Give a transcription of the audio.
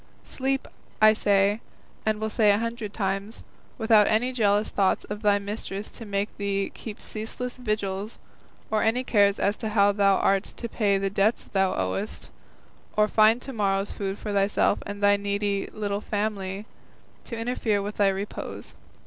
Sleep, I say, and will say a hundred times, without any jealous thoughts of thy mistress to make thee keep ceaseless vigils, or any cares as to how thou art to pay the debts thou owest, or find to morrow's food for thyself and thy needy little family, to interfere with thy repose.